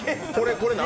これ何？